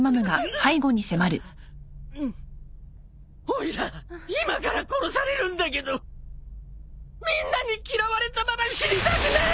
おいら今から殺されるんだけどみんなに嫌われたまま死にたくない！